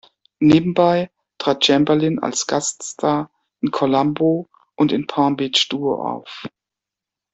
Nebenbei trat Chamberlin als Gaststar in "Columbo" und in "Palm Beach-Duo" auf.